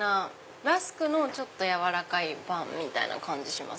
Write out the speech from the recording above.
ラスクのちょっと軟らかいパンみたいな感じします。